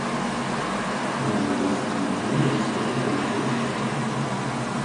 Gali žaisti gynėjo ir saugo pozicijose.